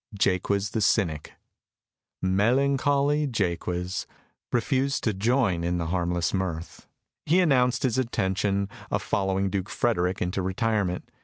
Jaques the cynic "melancholy Jaques" refused to join in the harmless mirth. He announced his intention of following Duke Frederick into retirement.